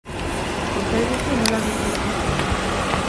Kontaiguzu nola bizi izan zenuen.